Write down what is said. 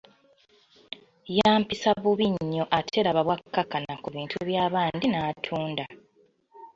Yampisa bubi nnyo ate laba bw'akkakkana ku bintu byabandi n'atunda.